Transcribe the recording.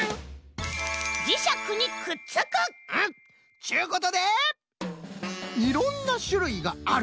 っちゅうことで「いろんなしゅるいがある」。